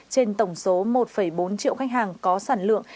trên tổng số một bốn triệu khách hàng có sản lượng